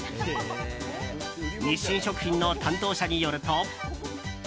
日清食品の担当者によると。